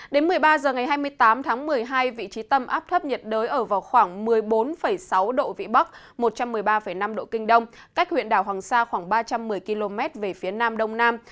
đến một mươi ba h ngày hai mươi tám tháng một mươi hai vị trí tâm áp thấp nhiệt đới ở vào khoảng một mươi bốn sáu độ vĩ bắc một trăm một mươi ba năm độ kinh đông cách huyện đảo hoàng sa khoảng ba trăm một mươi km về phía nam đông nam